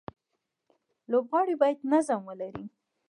لوبغاړي باید نظم ولري.